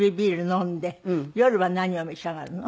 飲んで夜は何を召し上がるの？